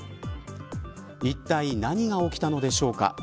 いったい何が起きたのでしょうか。